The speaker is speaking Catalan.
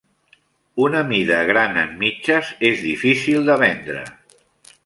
Una mida gran en mitges és difícil de vendre.